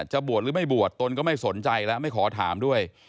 จะบวชหรือไม่บวชตนก็ไม่สนใจแล้วไม่ขอถามด้วย